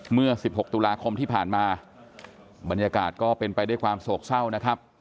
เมื่อ๑๖ตุลาคมที่ผ่านมาบรรยากาศก็เป็นไปด้วยความโศกเศร้านะครับ